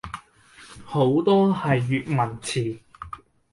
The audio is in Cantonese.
好多係粵文詞